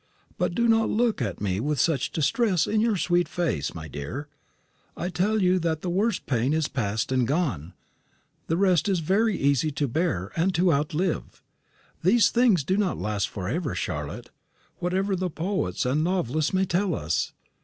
But do not look at me with such distress in your sweet face, my dear. I tell you that the worst pain is past and gone. The rest is very easy to bear, and to outlive. These things do not last for ever, Charlotte, whatever the poets and novelists may tell us.